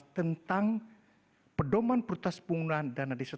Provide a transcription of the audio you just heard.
tentang pedoman pertas penggunaan dana desa